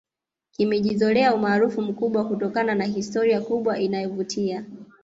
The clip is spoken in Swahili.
kimejizolea umaarufu mkubwa kutokana na historia kubwa inayovutia